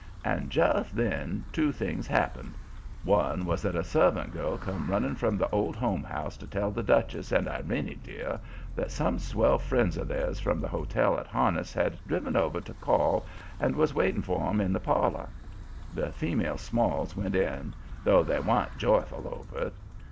And just then two things happened. One was that a servant girl come running from the Old Home House to tell the Duchess and "Irene dear" that some swell friends of theirs from the hotel at Harniss had driven over to call and was waiting for 'em in the parlor. The female Smalls went in, though they wa'n't joyful over it.